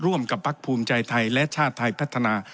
ร่วมกับพักภูมิใจไทยและชาติไทยพัฒนา